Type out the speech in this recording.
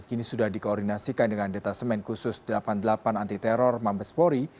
kini sudah dikoordinasikan dengan detasemen khusus delapan puluh delapan anti teror mabespori